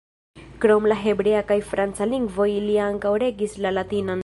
Krom la hebrea kaj franca lingvoj li ankaŭ regis la latinan.